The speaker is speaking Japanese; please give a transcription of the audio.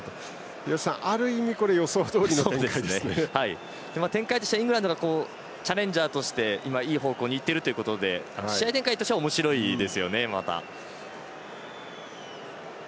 廣瀬さん、ある意味展開としてはイングランドがチャレンジャーとして今、いい方向に行っているということで試合展開としてはおもしろいですよね。